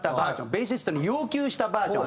ベーシストに要求したバージョン。